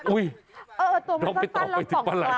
อุ้ยต้องไปต่อไปที่ปลาไหล่